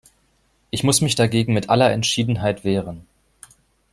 Ich muss mich dagegen mit aller Entschiedenheit wehren.